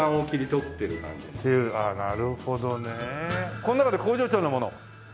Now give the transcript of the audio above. この中で工場長のものある？